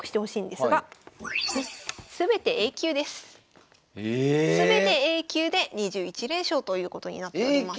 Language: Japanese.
すべてＡ級で２１連勝ということになっております。